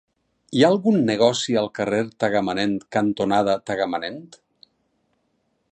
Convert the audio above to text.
Hi ha algun negoci al carrer Tagamanent cantonada Tagamanent?